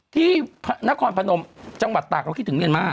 ที่นครพนมจังหวัดตากเราคิดถึงเมียนมาร์